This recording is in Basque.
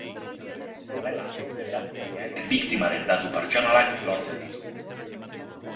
Honela, erasotzaileak biktimaren datu pertsonalak lortzen ditu.